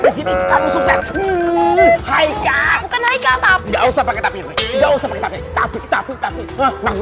disini kamu sukses hai kak bukan hai kata nggak usah pakai tapi tapi tapi tapi tapi tapi maksud